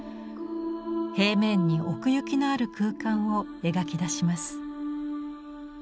平面に奥行きのある空間を描き出します。